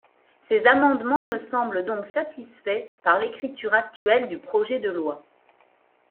Ces amendements me semblent donc satisfaits par l’écriture actuelle du projet de loi.